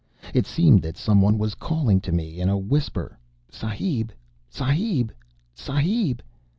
It seemed that some one was calling to me in a whisper "Sahib! Sahib! Sahib!"